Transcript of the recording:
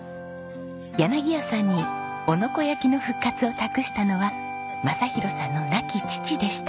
柳屋さんに男ノ子焼の復活を託したのは雅啓さんの亡き父でした。